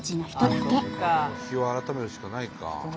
日を改めるしかないか。